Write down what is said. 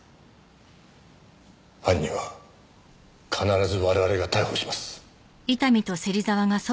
犯人は必ず我々が逮捕します。